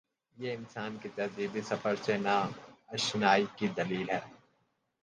یہ انسان کے تہذیبی سفر سے نا آ شنائی کی دلیل ہے۔